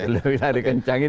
lebih lari kencang